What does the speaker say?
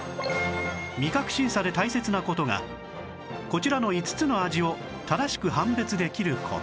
味覚審査で大切な事がこちらの５つの味を正しく判別できる事